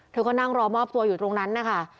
เธอก็นั่งรอมอบตัวอยู่ตรงนั้นนะคะ